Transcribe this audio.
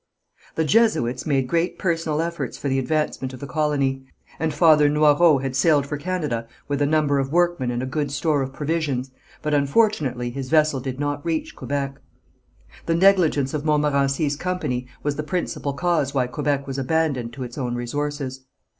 The Jesuits made great personal efforts for the advancement of the colony, and Father Noyrot had sailed for Canada with a number of workmen and a good store of provisions, but unfortunately his vessel did not reach Quebec. The negligence of Montmorency's company was the principal cause why Quebec was abandoned to its own resources.